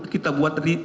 kita buat tadi